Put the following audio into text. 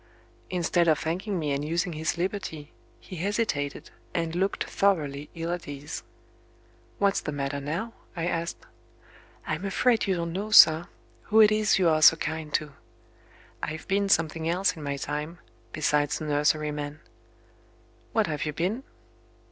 Instead of thanking me and using his liberty, he hesitated, and looked thoroughly ill at ease. "What's the matter now?" I asked. "I'm afraid you don't know, sir, who it is you are so kind to. I've been something else in my time, besides a nurseryman." "What have you been?"